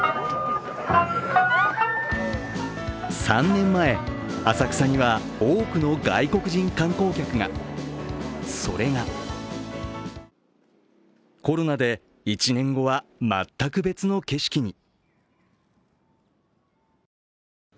３年前、浅草には多くの外国人観光客が。それがコロナで１年後は全く別の景色に。